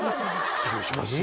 失礼します